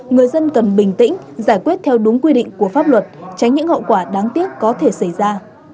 người dân cần bình tĩnh giải quyết theo đúng quy định của pháp luật tránh những hậu quả đáng tiếc có thể xảy ra